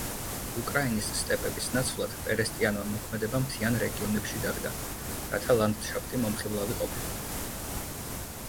უკრაინის სტეპების ნაცვლად, პერესტიანმა მოქმედება მთიან რეგიონებში დადგა, რათა ლანდშაფტი მომხიბლავი ყოფილიყო.